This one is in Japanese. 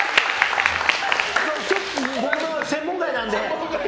僕、専門外なんで。